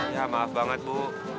ya maaf banget bu